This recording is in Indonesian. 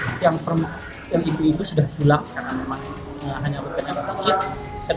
sedangkan ibu ibu yang pulang karena hanya rupanya sedikit